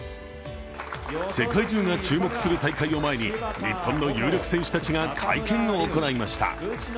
世界中が注目する大会を前に日本の有力選手たちが会見を行いました。